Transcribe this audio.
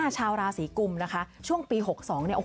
ชาวราศีกุมนะคะ